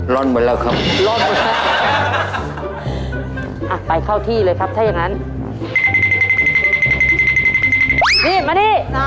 ร้อนหมดแล้วครับร้อนหมด